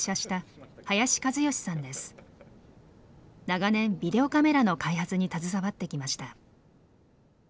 長年ビデオカメラの開発に携わってきました。